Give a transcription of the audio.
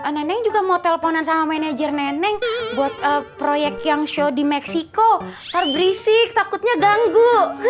neneng juga mau teleponan sama manajer neneng buat proyek yang show di meksiko terberisi takutnya ganggu